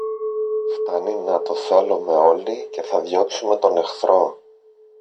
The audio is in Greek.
Φθάνει να το θέλομε όλοι, και θα διώξουμε τον εχθρό.